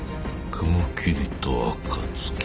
雲霧と暁。